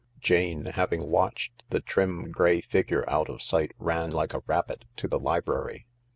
Jane, having watched the trim, grey figure out of sight, ran like a rabbit to the library.